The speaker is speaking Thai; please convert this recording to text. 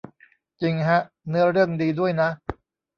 จริงฮะ เนื้อเรื่องดีด้วยนะ